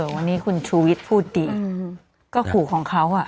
วันนี้คุณชูวิทย์พูดดีก็ขู่ของเขา